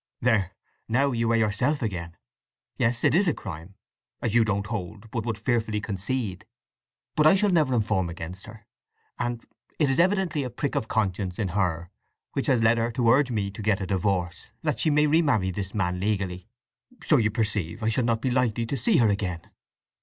"There—now you are yourself again. Yes, it is a crime—as you don't hold, but would fearfully concede. But I shall never inform against her! And it is evidently a prick of conscience in her that has led her to urge me to get a divorce, that she may remarry this man legally. So you perceive I shall not be likely to see her again."